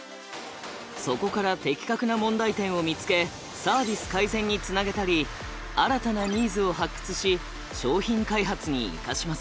そこから的確な問題点を見つけサービス改善につなげたり新たなニーズを発掘し商品開発に生かします。